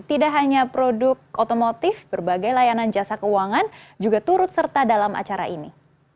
tidak hanya produk otomotif berbagai layanan jasa keuangan juga turut serta dalam acara ini